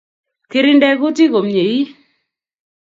Kirinde kutik komyei